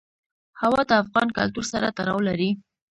هوا د افغان کلتور سره تړاو لري.